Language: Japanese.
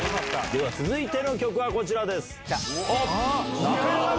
では続いての曲はこちらです。